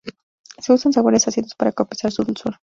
Se usan sabores ácidos para compensar su dulzor.